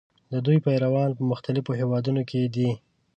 د دوی پیروان په مختلفو هېوادونو کې دي.